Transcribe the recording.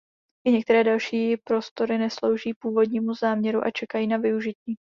I některé další prostory neslouží původnímu záměru a čekají na využití.